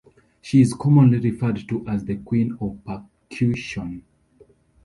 She is commonly referred to as The Queen of Percussion.